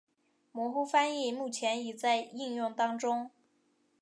模糊翻译目前已在应用当中。